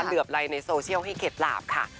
เหลือบไรในโซเชียลให้เข็ดหลาบค่ะ